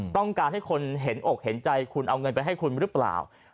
ต้องการให้คนเห็นอกเห็นใจคุณเอาเงินไปให้คุณหรือเปล่า